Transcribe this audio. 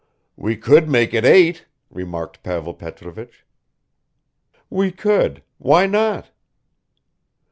"We could make it eight," remarked Pavel Petrovich. "We could; why not?"